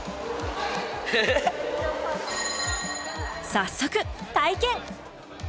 早速体験！